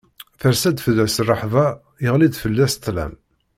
Ters-d fell-as rrehba, iɣli-d fell-as ṭṭlam.